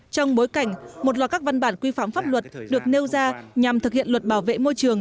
trong bối cảnh một loạt các văn bản quy phạm pháp luật được nêu ra nhằm thực hiện luật bảo vệ môi trường